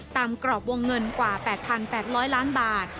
กรอบวงเงินกว่า๘๘๐๐ล้านบาท